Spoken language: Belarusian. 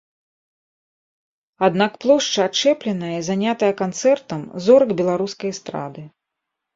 Аднак плошча ачэпленая і занятая канцэртам зорак беларускай эстрады.